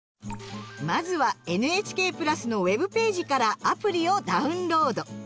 まずは「ＮＨＫプラス」のウェブページからアプリをダウンロード。